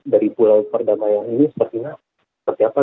dari pulau perdamaian ini sepertinya seperti apa